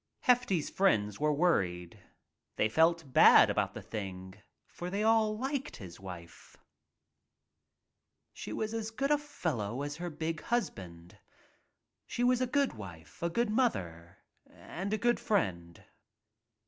Hef ty's friends were worried. They felt bad about the thing for they all liked his wife. She was as good a fellow as her big husband. She was a good wife, a good mother and a good friend.